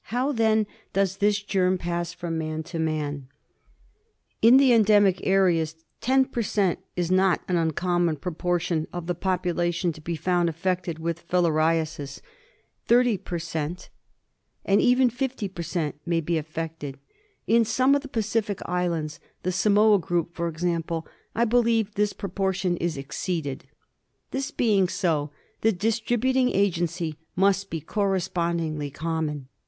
How then does , this germ pass from man to man ? In the endemic areas ten per cent, is not an uncommon proportion of the population to be found affected with filari asis. Thirty per cent. yo FILARIASIS. and even fifty per cent, may be affected. In many ot the Pacific Islands — the Samoa group for example — ^I believe even this proportion is exceeded. This being so, the distributing agency must be correspondingly common.